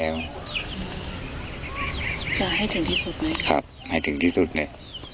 ให้ถึงที่สุดไหมครับให้ถึงที่สุดเลย